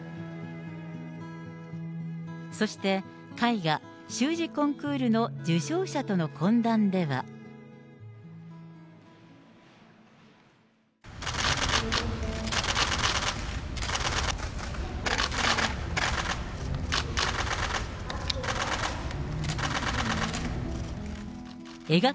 そして、絵画・習字コンクールの受賞者との懇談では。おめでとうございます。